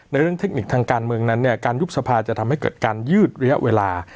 เรื่องเทคนิคทางการเมืองนั้นเนี่ยการยุบสภาจะทำให้เกิดการยืดระยะเวลา